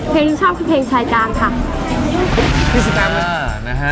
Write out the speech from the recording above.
เพลงชอบคือเพลงชายกามค่ะ